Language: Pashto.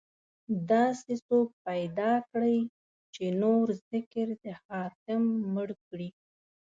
داسې څوک پيدا کړئ، چې نور ذکر د حاتم مړ کړي